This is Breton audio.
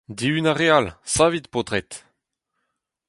Dihun ar re all… Savit, paotred !